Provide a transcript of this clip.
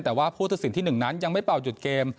แต่ว่าผู้ตัดสินที่๑นั้นยังไม่เป่าหยุดเกม